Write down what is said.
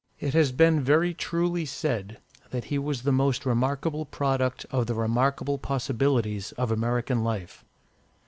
It has been very truly said, that he was the most remarkable product of the remarkable possibilities of American life.